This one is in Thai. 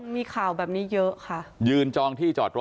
มีข่าวแบบนี้เยอะค่ะยืนจองที่จอดรถ